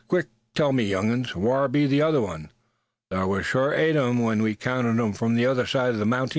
"Quick! tell me you'uns, whar be the other one? Thar was sure eight w'en we counted yuh from the side o' the mounting.